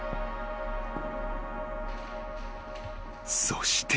［そして］